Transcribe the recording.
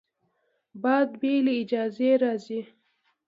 باد بې له اجازې راځي